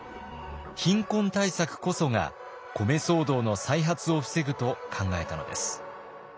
貧困対策こそが米騒動の再発を防ぐと考えたのです。